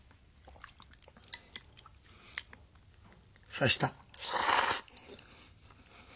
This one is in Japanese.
刺した。